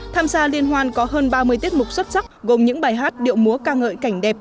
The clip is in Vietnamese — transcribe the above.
tham gia liên hoan có hơn ba mươi tiết mục xuất sắc gồm những bài hát điệu múa ca ngợi cảnh đẹp